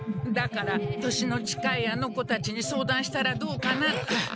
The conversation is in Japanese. だから年の近いあの子たちに相談したらどうかなって。